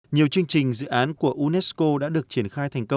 nhiều chương trình dự án của unesco đã được triển khai thành công